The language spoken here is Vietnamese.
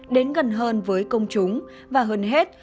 đến gần hơn với công chúng và hơn hết